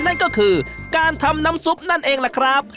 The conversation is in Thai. นั่นก็คือการทำน้ำซุปนั่นเองล่ะครับ